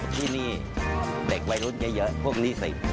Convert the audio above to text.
ที่นี่เด็กวัยรุ่นเยอะพวกนี้สิ